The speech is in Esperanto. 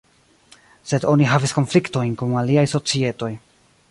Sed oni havis konfliktojn kun aliaj societoj.